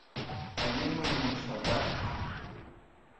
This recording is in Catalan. Anem a Montserrat.